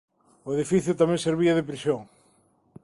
O edificio tamén servía de prisión.